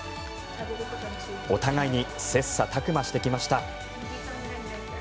お互いに切磋琢磨してきました。